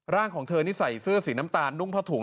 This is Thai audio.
ของเธอนี่ใส่เสื้อสีน้ำตาลนุ่งผ้าถุง